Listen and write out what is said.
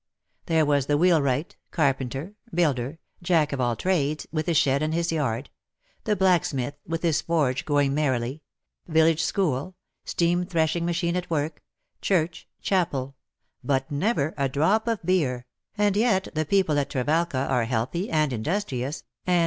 There was the wheelwright^ carpenter,, builder, Jack of all trades, with his shed and his yard — the blacksmith, with his forge going merrily — village school — steam threshing machine at work — church — chapel; but never a drop of beer — and yet the people at Trevalga are healthy, and industrious, and decently clad, and altogether comfortable looking.